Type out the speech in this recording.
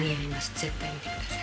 絶対見てください。